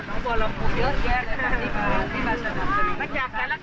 ชาวจังหวัดของพวกเราคุณป้าพอร์ตชาวจังหวัดของพวกเราคุณป้าพอร์ต